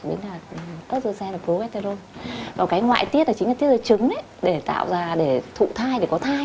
nội tiết tố là tất do xe tất do xe là phố và cái ngoại tiết là chính là tiết ra trứng để tạo ra để thụ thai để có thai